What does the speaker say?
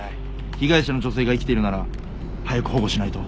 被害者の女性が生きてるなら早く保護しないと。